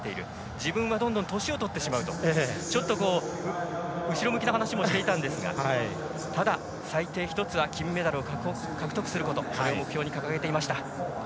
自分はどんどん年をとってしまうとちょっと後ろ向きな話もしていたんですがただ、最低１つは金メダルを獲得することこれを目標に掲げていました。